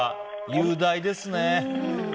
雄大ですね。